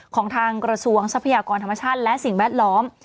ของทางกระทรวงทรัพยากรธรรมชาติและสิ่งแวดล้อม